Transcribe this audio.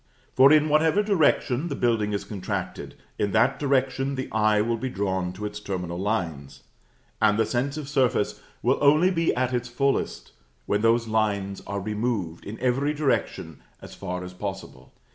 For, in whatever direction the building is contracted, in that direction the eye will be drawn to its terminal lines; and the sense of surface will only be at its fullest when those lines are removed, in every direction, as far as possible.